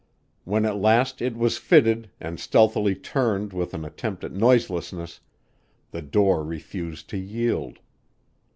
When at last it was fitted and stealthily turned with an attempt at noiselessness, the door refused to yield.